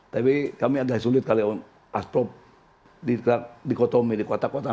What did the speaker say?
tapi kami agak sulit kalau asprop di kotomi di kotak kotak